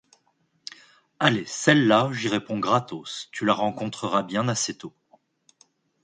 Allez, celle-là, j’y réponds gratos : tu la rencontreras bien assez tôt.